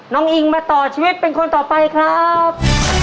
อิงมาต่อชีวิตเป็นคนต่อไปครับ